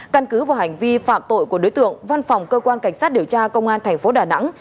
căn cứ vào hành vi phạm tội của đối tượng văn phòng cơ quan cảnh sát điều tra công an thành phố đà nẵng